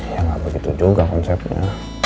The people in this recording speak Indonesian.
ya nggak begitu juga konsepnya